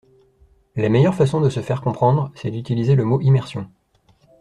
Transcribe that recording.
La meilleure façon de se faire comprendre, c’est d’utiliser le mot « immersion ».